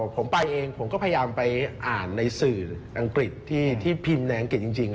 ผมไปเองผมก็พยายามไปอ่านในสื่ออังกฤษที่พิมพ์ในอังกฤษจริง